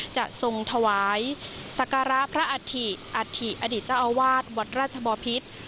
จะทวายสักการะพระอาทิอาทิอดิจอาวาสวัดราชบอภิตร